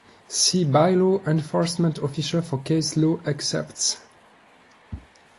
See Bylaw Enforcement Officer for case-law excerpts.